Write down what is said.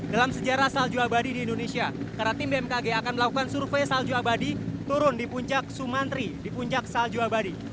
dalam sejarah salju abadi di indonesia karena tim bmkg akan melakukan survei salju abadi turun di puncak sumantri di puncak salju abadi